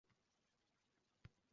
Qirilib ketish — yomon